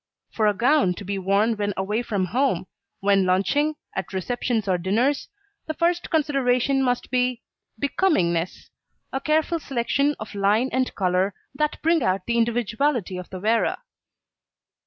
For a gown to be worn when away from home, when lunching, at receptions or dinners, the first consideration must be becomingness, a careful selection of line and colour that bring out the individuality of the wearer.